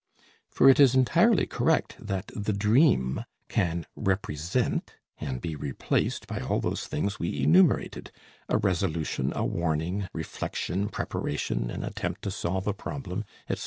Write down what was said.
For it is entirely correct that the dream can represent, and be replaced by all those things we enumerated: a resolution, a warning, reflection, preparation, an attempt to solve a problem, etc.